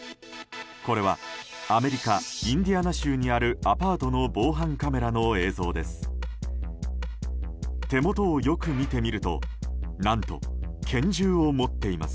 これはアメリカインディアナ州にあるアパートの防犯カメラの映像です。